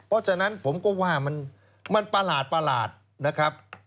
เพราะฉะนั้นผมก็ว่ามันประหลาดนะครับ